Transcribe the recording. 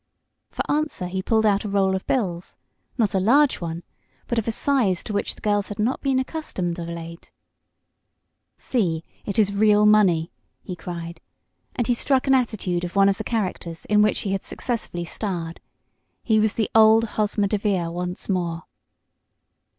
For answer he pulled out a roll of bills not a large one, but of a size to which the girls had not been accustomed of late. "See, it is real money!" he cried, and he struck an attitude of one of the characters in which he had successfully starred. He was the old Hosmer DeVere once more.